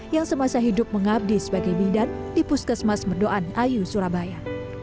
yang semasa hidup mengabdi sebagai bidan di puskesmas merdoan ayu surabaya